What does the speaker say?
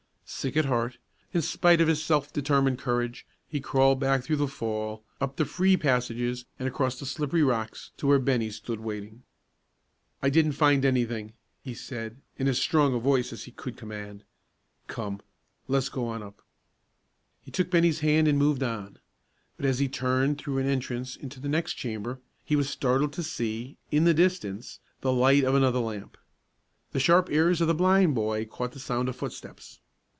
Sick at heart, in spite of his self determined courage, he crawled back through the fall, up the free passages and across the slippery rocks, to where Bennie stood waiting. "I didn't find any thing," he said, in as strong a voice as he could command. "Come, le's go on up." He took Bennie's hand and moved on. But, as he turned through an entrance into the next chamber, he was startled to see, in the distance, the light of another lamp. The sharp ears of the blind boy caught the sound of footsteps.